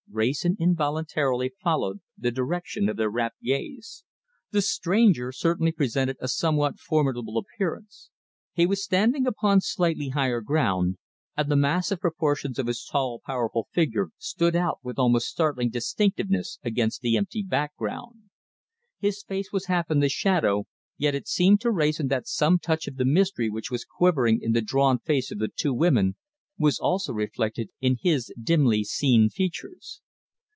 Wrayson involuntarily followed the direction of their rapt gaze. The stranger certainly presented a somewhat formidable appearance. He was standing upon slightly higher ground, and the massive proportions of his tall, powerful figure stood out with almost startling distinctness against the empty background. His face was half in the shadow, yet it seemed to Wrayson that some touch of the mystery which was quivering in the drawn face of the two women was also reflected in his dimly seen features.